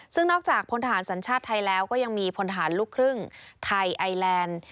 ซึ่งนอกจากพลทหารสัญชาติไทยแล้วก็ยังมีพลฐานลูกครึ่งไทยไอแลนด์